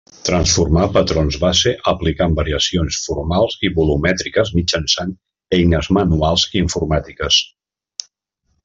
Transforma patrons base aplicant variacions formals i volumètriques mitjançant eines manuals i informàtiques.